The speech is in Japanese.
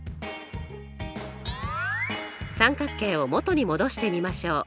三角形を元に戻してみましょう。